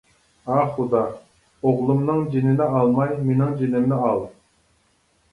-ئاھ خۇدا! ئوغلۇمنىڭ جېنىنى ئالماي مېنىڭ جېنىمنى ئال!